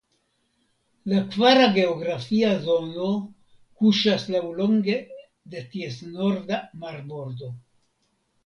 La kvara geografia zono kuŝas laŭlonge de ties norda marbordo.